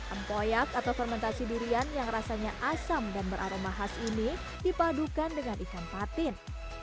empoyak atau fermentasi durian yang rasanya asam dan beraroma khas ini dipadukan dengan ikan patin